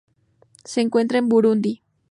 Se encuentra en Burundi.